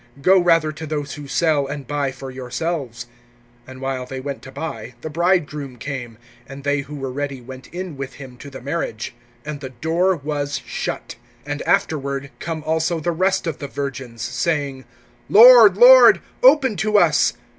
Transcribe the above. Go rather to those who sell, and buy for yourselves. (10)And while they went to buy, the bridegroom came; and they who were ready went in with him to the marriage; and the door was shut. (11)And afterward come also the rest of the virgins, saying: Lord, Lord, open to us.